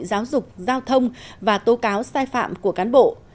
giáo dục giao thông và tố cáo sai phạm của cán bộ